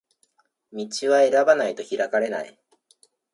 道は選ばないと開かれない